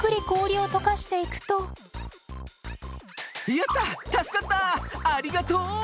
やった助かったありがとう。